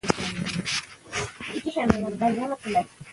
د افغانستان تاریخ په ویاړونو ډک دی.